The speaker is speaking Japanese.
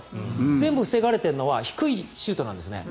全部防がれているのは低いシュートなんですね。